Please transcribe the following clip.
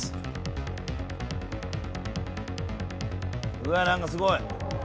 うわなんかすごい。